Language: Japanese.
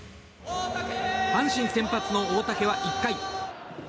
阪神先発の大竹は１回。